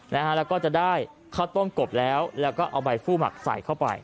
แล้วก็จะได้ข้าวต้มกบแล้วแล้วก็เอาใบฟู้หมักใส่เข้าไป